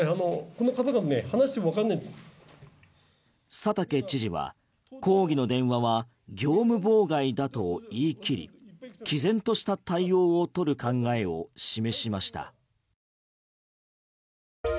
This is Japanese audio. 佐竹知事は抗議の電話は業務妨害だと言い切り毅然とした対応を取る考えを示しました。